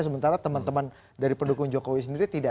sementara teman teman dari pendukung jokowi sendiri tidak